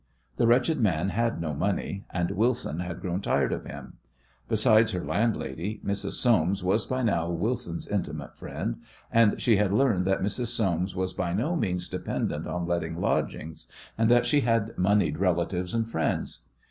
The wretched man had no money, and Wilson had grown tired of him. Besides, their landlady, Mrs. Soames was by now Wilson's intimate friend, and she had learned that Mrs. Soames was by no means dependent on letting lodgings and that she had moneyed relatives and friends.